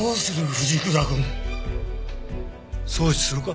藤倉くん。送致するか？